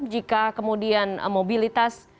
jika kemudian mobilitas